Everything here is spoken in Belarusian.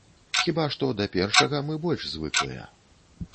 Хіба што да першага мы больш звыклыя.